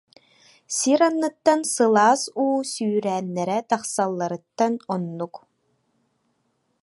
Сир анныттан сылаас уу сүүрээннэрэ тахсалларыттан оннук